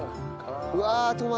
うわトマト。